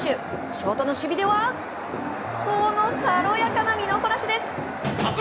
ショートの守備ではこの軽やかな身のこなしです！